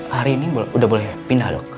hari ini udah boleh pindah dok